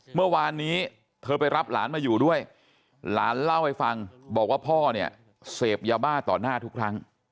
เมื่อวานนี้เธอไปรับหลานมาอยู่ด้วยหลานเล่าให้ฟังบอกว่าพ่อเนี่ยเสพยาบ้าต่อหน้าทุกครั้ง